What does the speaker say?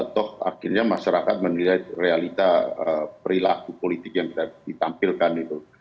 toh akhirnya masyarakat menilai realita perilaku politik yang kita ditampilkan itu